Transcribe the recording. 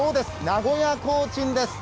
名古屋コーチンです。